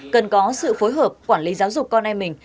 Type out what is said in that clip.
cần có sự phối hợp quản lý giáo dục con em mình